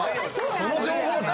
その情報何？